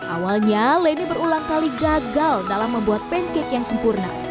awalnya leni berulang kali gagal dalam membuat pancake yang sempurna